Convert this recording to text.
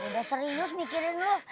udah serius mikirin lo